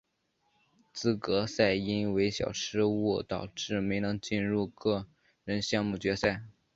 资格赛因为小失误导致没能进入个人项目决赛。